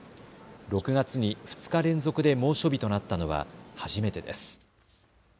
６月に２日連続で猛暑日となったのは初めてです。